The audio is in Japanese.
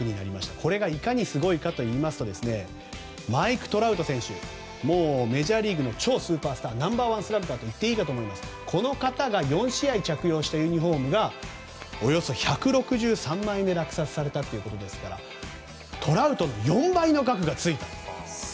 これがいかにすごいかといいますとマイク・トラウト選手メジャーリーグの超スーパースターナンバー１スラッガーといっていいかもしれませんがこの方が４試合着用したユニホームがおよそ１６３万円で落札されたということですからトラウトの４倍の額がついた。